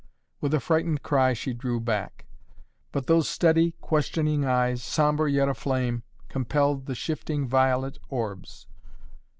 With a frightened cry she drew back. But those steady, questioning eyes, sombre, yet aflame, compelled the shifting violet orbs.